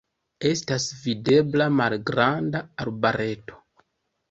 Estas videbla malgranda arbareto.